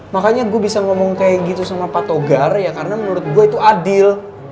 makanya gue bisa ngomong kayak gitu sama pak togar ya karena menurut gue itu adil